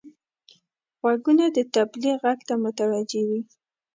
غوږونه د تبلیغ غږ ته متوجه وي